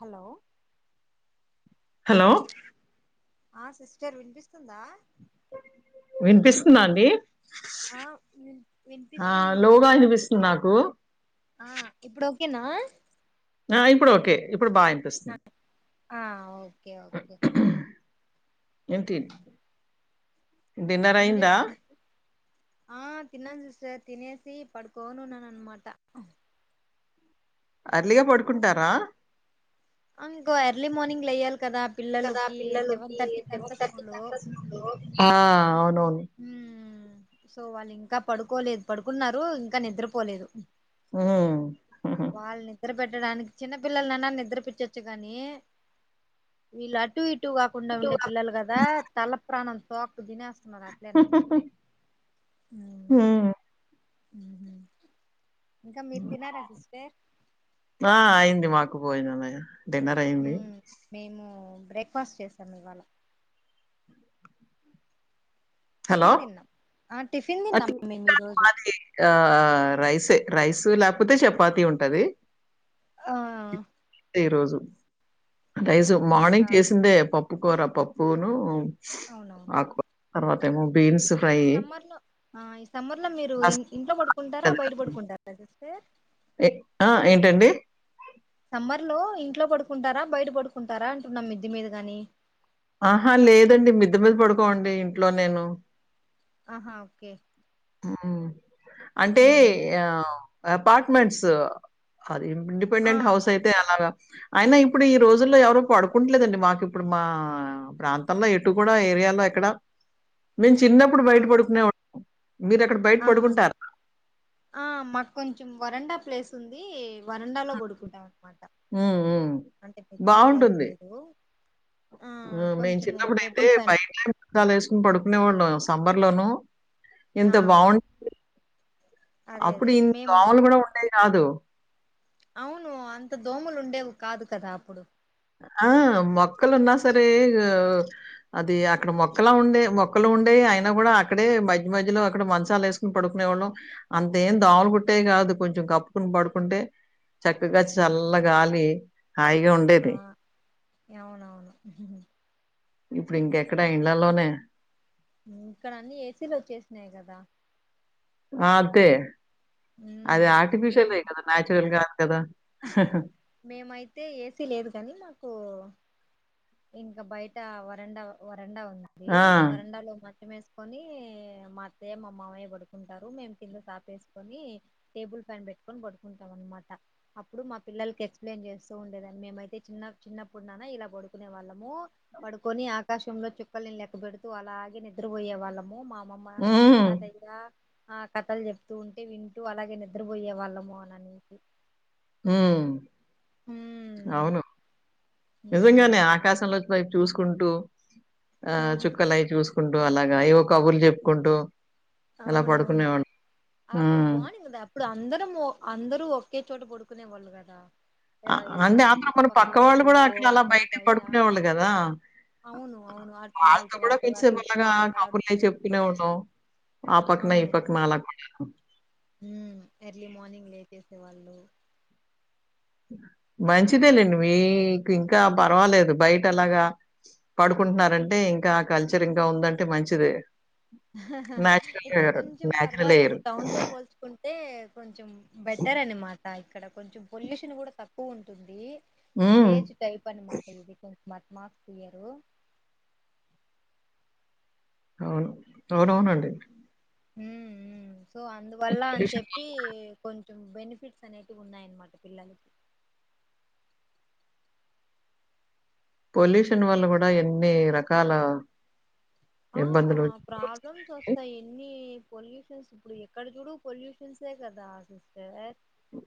Hello hello ఆ sister వినిపిస్తుందా వినిపిస్తుంద అండి ఆ వి ఆ వినిపిస్తుంది లోగా వినిపిస్తుంది నాకు ఆ ఇప్పుడు ఓకేనా ఆ ఇప్పుడు ఓకే ఇప్ ఇప్పుడు బా వినిపిస్తుంది ఆ ఓకే ఓకే ఏంటి డిన్నర్ ఏం అయిందా చేస్తున్నా ఆ తిన్నాను సిస్టర్ తినేసి పడుకోనున్న అన్నమాట అర్లిగా పడుకుంటారా ఇంకో ఎర్లీ మార్నింగ్ లేయ్యాలి కదా పిల్లలకి సెవెన్ థర్టీకి అంతా స్కూలు. ఆ అవునవును హ్మ్మ్ సో వాళ్ళు ఇంకా పడుకోలేదు పడుకున్నారు ఇంకా నిద్రపోలేదు వాళ్ళు నిద్ర హ్మ్మ్ పెట్టడానికి చిన్న పిల్లలన్నా నిద్రపించొచ్చు గాని వీళ్ళు అటు ఇటు టు కాకుండా ఉండే పిల్లలు కదా తల ప్రాణం [unintelligible] నాకు హ్మ్మ్ హ్మ్మ్ ఆ అయింది మాకు బోజనమే డిన్నర్ అయింది మేము బ్రేక్ఫాస్ట్ చేసాము ఇవాళ హలో టిఫిన్ తిన్నాం ఆ టిఫిన్ తిన్నాం మేము ఈరోజు మాది ఆ రైస్ ఏ రైస్ లేకపోతే చపాతి ఉంటది ఆ ఈ రోజు రైజు ఓకే మాకా మార్నింగ్ చేసిందే పప్పు పప్పు కూర, పప్పునూ అవునవును తర్వాత ఈ సమ్మర్ లో ఆ ఈ సమ్మర్ లో మీరూ ఇంట్లో పడుకుంటారా బయట అస్సలు పడుకుంటారా వస్తే. ఆ ఏంటండి. సమ్మర్ లో ఇంట్లో పడుకుంటారా బయట పడుకుంటారా అంటున్నం. మిద్ది మీద గానీ. ఆహా లేదండి. మిద్ద మీద పడుకోనండి ఇంట్లో నేను. ఆహా ఓకే ఆ అంటే మ్. ఆ అపార్ట్మెంట్స్ ఆ అది ఆ ఇండిపెండెంట్ హౌస్ అయితే అలాగా. అయినా ఇప్పుడు ఈ రోజుల్లో ఎవరూ పడుకుంటలేదండి. మాకు ఇప్పుడు మా ప్రాంతంలో ఎటు కూడా ఏరియాలో ఎక్కడా నేన్ చిన్నప్పుడు ఆ బయట పడుకునే వాడ్ ఆహా ఆ మా కొంచం వరండా ప్లేస్ వస్తుందీ వరండాలో పడుకుంటాం అం ఊ ఊ మీద ఏం బాగుంటుంది. లేదు ఆ మేము కొంచెము చిన్నప్పుడైతే టేబుల్ ఫ్యాన్ బయటే [inaudible] చాలు ఏసుకుని పడుకునే వాళ్ళం సం సమ్మర్లోనూ ఎంత ఆ బాగుం. అదే [inaudible] అదే అప్పుడు ఇన్ని మేము దోమలు కూడా ఉండేయి కాదూ అవునూ అంత దోమలు ఉండేవి కాదు కదా అప్పుడు. ఆ మొక్కలు ఉన్నా సరే. అది అక్కడ మొక్కలా ఉండే మొక్కలు ఉండేవి అయినా కూడా అక్కడే మధ్య మధ్యలో అక్కడ మంచాలు ఏసుకుని పడుకునే వాళ్ళం. అంతేం దోమలు కుట్టేవి కాదు కొంచెం కప్పుకొని పడుకుంటే చక్కగా చల్ల గాలి. హాయిగా ఆ ఉండేది. అవునవును. ఇప్పుడు ఇంకెక్కడా ఇంలల్లోనే. ఇక్కడ అన్నీ ఏసీలు వచ్చేసినాయి కదా. ఆ అంతే ఉమ్ అదే మేం ఆర్టిఫిషియల్ ఎయిర్ కదా నన్యాచురల్ గాదు కదా. మేమైతే ఏసీ లేదు కాని మాకు కూ ఇంకా బయటా వరండా వరండా ఉందీ. ఆ! వరండా లో మం చం ఏసుకొనీ మా అత్తయ్య మా మామయ్య పడుకుంటారు. మేము కింద సాప ఏసుకొనీ టేబుల్ ఫ్యాన్ పెట్టుకొని పడుకుంటాం అనమాట. అప్పుడు మా పిల్లలకి ఎక్స్ప్లెయిన్ చేస్తూ ఉండేదాన్ని మేమైతే చిన్న చిన్నప్పుడున్నానా ఇలా పడుకునే వాళ్ళమూ. పడుకొని ఆకాశంలో చుక్కల్ని లెక్కబెడుతూ అలాగే నిద్రపోయే వాళ్ళమూ. అమ్మమా హ్మ్. తాతయ్యా ఆ కథలు చెప్తూ ఉంటే వింటూ అలాగే నిద్రపోయ్యే వాళ్ళము అని అనేసి. ఉమ్ ఉమ్ అవును నిజంగానే ఉమ్ ఆకాశం వైపు చూసుకుంటూ ఆ ఆహా చుక్కలయి చ్యూస్ చెప్పుకుంటూ అలాగ ఏవో కబుర్లు చెప్పుకుంటూ అలా అవునవును పడుకునేవాళ్ళు. అప్పుడు హ్మ్. బాగుంది. కదా అప్పుడు అందరం అందరూ ఒకే చోట పడుకున్ కునే వాళ్ళు కదా. అంటే ఈ అప్పుడు మన చుట్టుపక్కల పక్క వాళ్ళు కూడా అక్కడ అలా అందరూ బయట పడుకునే వాళ్ళు కదా. అవును అవును వాళ్ళతో కూడా కోన్సే అటు ప్ ఇటు ఆలగా మాట్లాడుతూ కబుర్ల చెప్పుకునేవాళ్ళం. ఆ పక్న ఈ పక్న అలా ఉహ్ ఉహ్మ్ ఎర్లీ మార్నింగ్ లేచేసేవాళ్ళు. మంచిదే లేండి మీకు ఇంకా పర్వాలేదు. బయట అలాగా పడుకుంటున్నారంటే ఇంకాఆ కల్చర్ ఇంకా ఉందంటే మంచిదే. నేచురల్ ఇక్కడు ఎయిర్. కొంచెం నేచురల్ పర్వాలేదు. ఎయిర్. టౌన్ తో పోల్చుకుంటే కొన్ చం బెటర్ అని మాక్ ఇక్కడ కొంచెం పొల్యూషన్ కూడా తక్కువ ఉంటుంది. హ్మ్. విలేజ్ టైప్ అన్నమాట ఇది. అ బాద్ట్మాస్పియరు అవును అవునవునండి ఉహ్మ్ ఉమ్ సో అందువల్ల అని పొల్యూషన్ చెప్పి కొంచ్ ఉహ్ బెనిఫిట్స్ అనేవి ఉన్నాయన్నమాట పిల్లలకి పొల్యూషన్ వాల్ల కూడా ఎన్ని రకాాల ఆ ప్రాబ్లమ్స్ వస్తాయి. ఎన్ని పొల్యూషన్స్ ఇప్పుడు ఎక్కడ చూడు పొల్యూషన్స్ కదా చుస్తే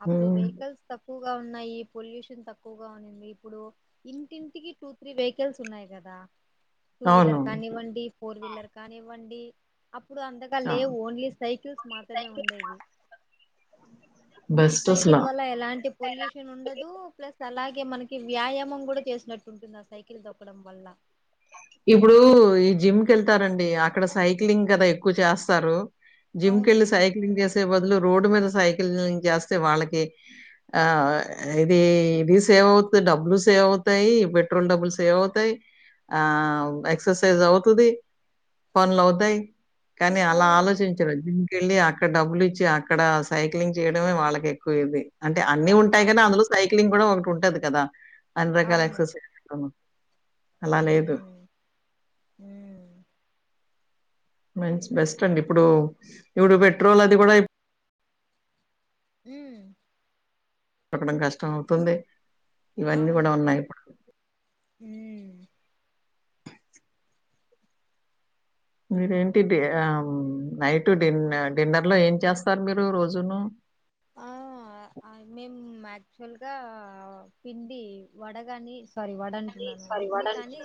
అప్పుడు హ్మ్. వెహికల్స్ తక్కువ్ వగా ఉన్నాయి. పొల్యూషన్ తక్కువగా ఉంది. ఇప్పుడు ఇంటింటికి టూ త్రీ వెహికల్స్ ఉన్నాయి కదా. టూ వీలర్ అవునవును. కానీవండి. పోర్ వీలర్ కానీ వండి అప్పుడు అంతగా ఆ! లేవు. ఓన్లీ సైకిల్స్ మాత్రమే ఉండేవి. బెస్ట్ అసల. సైకిల్ వల్ల ఎలాంటి పొల్యూషన్ ఉండదు. ప్లస్ అలాగే మనకి వ్యాయామం కూడా చేసినట్టు ఉంటుంది. సైకిల్ తోక్కడం వల్ల ఇప్పుడు ఈ జిమ్ కేళ్తారంండి. అక్కడ సైక్లింగ్ కదా ఎక్కువ చేస్తారు. జిమ్ అవును కళ్లి సాైక్లింగ్ చేస బదులు రోడ్డు మీద సైకిల్ చేస్తే వాళ్ళకి ఆ ఇది ఇది సేవ్ అవు డబ్బులు సేవ్ అవుతాయి పెట్రోల్ డబ్బులు సేవ్ అవుతాయి ఆ ఎక్సర్సైజ అవుతుంది పన్ లోవుతాయి కానీ అలా ఆలోచించడం దీకెళ్ళి అ అక్కడ డబ్బులు ఇచ్చి అక్కడ సైక్లింగ్ చేయడమే వాళ్ళకి ఎక్కువ ఇది అంటే అన్ని వా ఉంటాయి వాళ్ కదా అందులో సైక్లింగ్ ఇ ఒకటి ఉంటది కదా అన్ని రకాల అవును ఎక్సర్సైస్ అలానే ఉమ్ మంచి బెస్ట్ అండి ఇప్పుడు ఇప్పుడు పెట్రోల్ అది కూడా మ్మ్ దొరకడం కష్టం అవుతుంది ఇవన్నీ కూడా ఉన్నాయి ఉమ్ మీరేంటి డి అమ్ నైట్ డిన్ డిన్నర్ లో ఏం చేస్తారు, మీరు రోజును ఆ ఆ మేం యాక్చువల్ గా పిండి వడగాని సారీ వడ అంటున్నాను ఇడ్లీ కానీ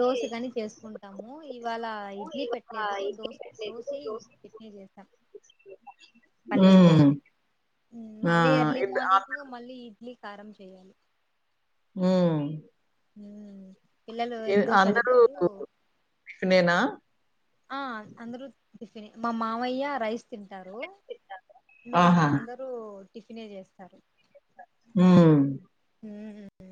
దోస కాని చేసుకుంటాము, ఇవాళ ఇడ్లీ పెట్టలేదు దోస్ దోసి చట్నీ చేసాం పల్లీల హ్మ్. చట్నీ. ఆ! మళ్ళీ ఎర్లీ ఇద్ మార్నింగ్ అందరు మళ్ళీ ఇడ్లీ కారం చేయాలి ఆ మ్మ్ పిల్లలు ఎగ్ దోస అందరూ అడిగారు టిఫినేనా? ఆ అందరూ టిఫినే మా మామయ్య రైస్ తింటారు మిగతా ఆహా! అందరూ టిఫినే చేస్తారు ఉమ్ ఉమ్ హ్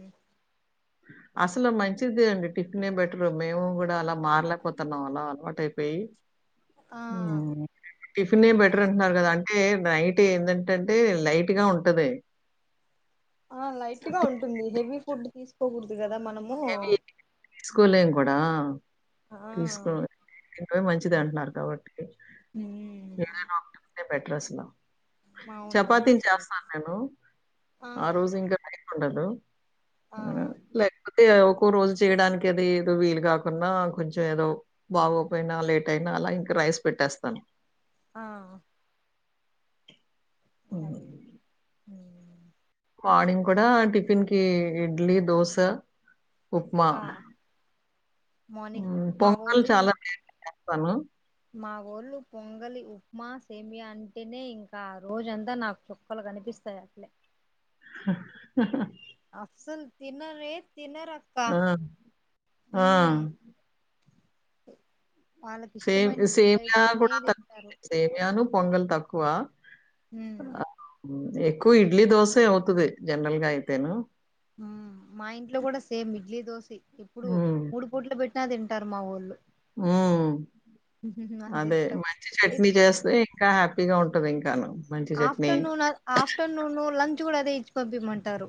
అసలు మంచిదే అండి టిఫిన్ బెటరు మేము కూడా అలా మారలేకపోతున్నాం అలా అలవాటు అయిపోయి ఆ టిఫిన్ బెటర్ అంటున్నారు కదా అంట అ నైట్ ఏంటంటంటే లైట్ గా ఉంటది ఆ లైట్ గా ఉంటుంది హెవీ ఫుడ్ తీసు ద్దుగా ఏమి తీసుకోలేం కూడా ఆ తీసుకో ఇ మంచిది అంటున్నారు కాబట్టికి బెటర్ అసల అవునవును చపాతీని సిస్టర్ చేస్తాను నేను ఆ రోజు ఇంకా ఉండదు. ఆ ఐతే ఒక్కో రోజు చేయడానికి అది ఏదో వీలు కాకున్నా కొంచెం ఏదో బాగోపోయినా లేట్ అయినా అలా ఇంకా రైస్ పెట్టేస్తాను. ఆ అదే హ్మ్. హ్మ్ మార్నింగ్ కూడా టిఫిన్కి ఇడ్లీ, దోస ఉప్మా ఆ మార్నింగ్ మా వోల్లు ఇ స్తాను. మా వోళ్ళు పొంగలి, ఉప్మా, సేమియ అంటేనే ఇంకా రోజంతా నాకు చుక్కలు కనిపిస్తాయి అట్లే హాహా అసల్ తినరే తినరక్క ఆ! ఆ! హ్మ్ సే ఇష్టమైన ఫుడ్ సేమియా అయితేనే కూడా తక్కువే తింటారు సేమయాను పొంగల్ త క్కువ. ఉమ్ అ ఎ ఎక్కొ ఇడ్లీ, దోసే అవుతుది జనరల్గా అయితేను హ్మ్ మా ఇంట్లో కూడా సేమ్ ఇడ్లీ దోసి ఇప్పుడు హ్మ్. మూడు పూటలు పెట్ నా తింటారు మా వోళ్ళు ఉమ్ అంత అదే ఇష్టం మంచి ఇప్ చట్నీ చేస్తే ఇంకా హ్యాపీగా ఉంటది ఇంకాను ఆఫ్టర్నూన్ ఆఫ్టర్నూను లంచ్ చ్ కూడా అదే ఇచ్చి పంపిమంటారు.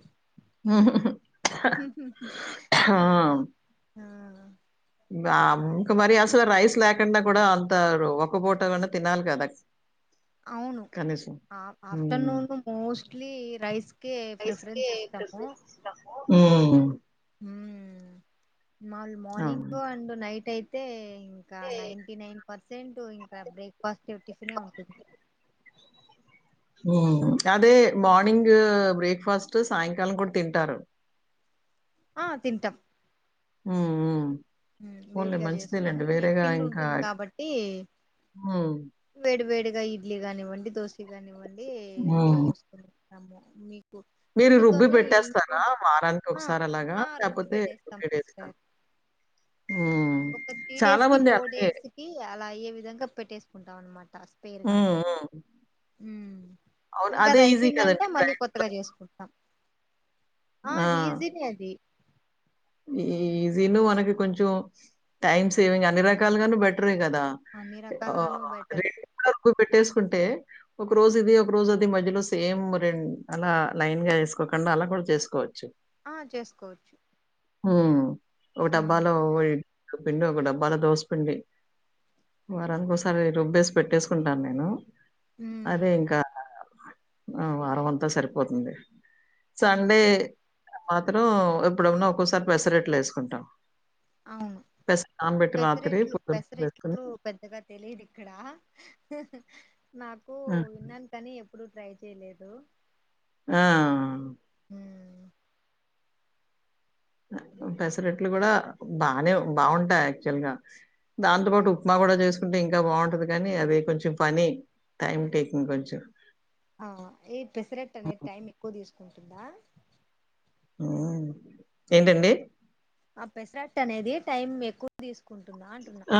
ఆ ఆ బ్యామ్ ఇంకా మరి అసలు రైస్ లేకండా కూడా అంతారు ఒక పూట కన్నా తినాలి కదా అవును కనీసం. ఆ హ్మ్. ఆఫ్టర్నూన్ మోస్ట్లీ రైస్కే ప్రిఫరెన్స్ ఇస్తము. ఉమ్ మాౌల్ అవును. మార్నింగ్ అండ్ నైట్ అయి తే ఇంకా నైంటీ నైన్ పర్సెంటు ఇంకా బ్రేక్ఫాస్ట్ టిఫినే ఉంటుంది. ఓ అదే మార్నింగ్ బ్రేక్ ఫాస్ట్ సాయంకాలం కూడ తింటారు ఆ తింటాం ఉ ఉ ఊ వేడిగా చేసుకొని పిండి ఇంకా ఉంటుంది కాబట్టి హ్మ్. వేడి వేడి గా ఇడ్లీ గానివ్వండి దోశ గానివ్వండి ఏ అట్లా హ్మ్. పోస్తుంది తమో మీ మీరు రుబ్బి పెట్టేస్తారా వారానికి ఆ ఒకసారి అలాగా ఆ రుబ్బి లేపోతే పెట్టేస్తాం త్రీ డేస్ కా సిస్టర్ ఒక త్రీ డేస్ కి ఫోర్ డేస్ కి అలా అయ్యే విధంగా పెట్టేసుకు దాన్ మట్ హ్మ్. హ్మ్. అవును. ఇంకా అదే అది ఈజీ అయిపోయిందంటే కదండీ మళ్ళీ గ్రైండ్. కొత్తగా చేసుకుంటాం ఆ ఈజినే అది ఈజీను మనకి కొంచెం టైం సేవింగ్ అన్ని రకాలుగాను బెట్రే కదా అన్ని దా ఓ రకాలుగాను బెటర్ రెండ రక బెట్టేసు కుంటే ఒక రోజు ఇది ఒక రోజు అది మధ్యలో సేమ్ రెం అలా లైన్ గా వేసుకోకుండా అలా కూడా చేసుకోవచ్చు ఆ చేసుకోవచ్చు ఊ ఓ ఉమ్ డబ్బాలో వే పిండి ఒక డబ్బాలో దోస పిండి వారానికోసారి రుబ్బేసి పెట్టేసుకుంటాను నేను ఉమ్ అదే ఇంకా అ వారం అంతా సరిపోతుంది ఉమ్ సండే ఉమ్ మాత్రం ఎప్పుడన్నా ఒక్కోసారి పెసరట్లు ఏసుకుంటాం అవును పెసరెట్లు పులుసు వేసుకొని పెసరెట్లు పెద్దగా తెలియదు ఇక్కడ నాకు ఆ! విన్నాను కని ఎప్పుడు ట్రై చేయలేదు ఆ ఉమ్ అ ఉ ఉమ్. పెసరట్లు కూడా బానే బాగుంటాయి యాక్చువల్ గా దాంతోపాటు ఉప్మా కూడా చేసుకుంటే ఇంకా బాగుంటది కనీ అది కొంచెం పని టైమ్ టేకింగ్ కొంచెం ఆ ఈ పెసరట్ అనేది అవును. టైం ఎక్కువ తీసుకుంటు దా ఏంటండి ఆ పెసరట్ అనేది టైం ఎక్కువ తీసుకు ఆ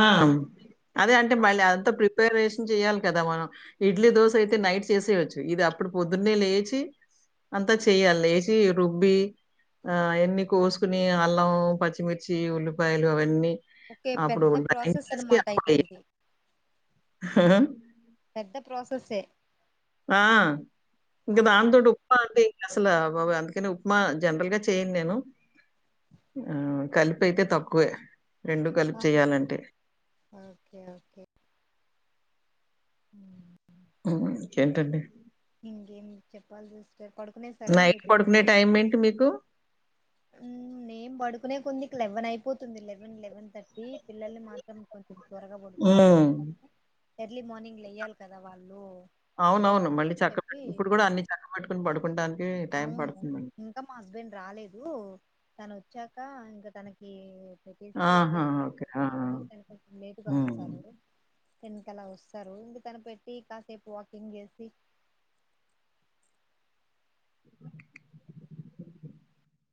అదే అంటే మళ్ళీ అదంతా ప్రిపేర్ వేస్ చేయాలి కదా మనం ఇడ్లీ దోశ అయితే నైట్ చేసేయవచ్చు ఇది అప్పుడు పొద్దున్నే లేచి అంతా చేయాలి లేచి రుబ్బి ఆ అవన్నీ కోసుకుని అల్లం పచ్చిమిర్చి ఉల్లిపాయలు అవన్నీ ఒకే అప్పుడు పెద్ద ప్రాసెస్ అనమాట అయితే ఇది హా ప్రాసెస్ ఎ ఆ ఇక ఆహా దాంతూట ఉప్మా అంది అసలు బాబ అందుకని ఉప్మా జనరల్ గా చేయను నేను ఆ కలిపి అయితే తక్కువే రెండు కలుపు ఆహా చెయాలంటే ఓకే హ ఏంటండి ఇంకేం చెప్పల్సి నైట్ పడుకునే టైం ఏంటి మీకు మ్మ్ నేం పడుకునే కొంది లెవెన్ అయిపోతుంది. లెవెన్ లెవెన్ థర్టీ పిల్లని మాత్రం కొంచెం త్వరగా వండుకొని హ్మ్. పెట్టేస్తాను ఎర్లీ మార్నింగ్ లో వెయ్యాలి కదా వాళ్ళు సో అవునవును మళ్ళీ అని చక్క చెప్పి పెట్టు ఇప్పుడు కూడా అన్ని చక్క పెట్టుకుని పడుకుంటడానికి అవును ఇంకా మా హస్బెండ్ రాలే లేదు తను వచ్చాక ఇంకా తనకి చెప్పేసి ఓకే ఆహా! సార్ ఆ! ఆ! [unintelligible] తను కొంచెం లేటుగా హ్మ్. వస్సారు. టెన్ కల్లా వస్సారు ఇంగ తనకు పెట్టి కాసేపు వాకింగ్ చేసి